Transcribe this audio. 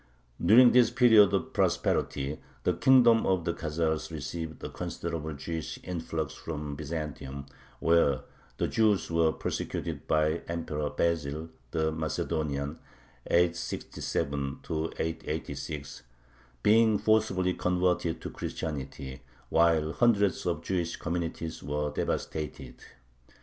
During this period of prosperity the kingdom of the Khazars received a considerable Jewish influx from Byzantium, where the Jews were persecuted by Emperor Basil the Macedonian (867 886), being forcibly converted to Christianity, while hundreds of Jewish communities were devastated.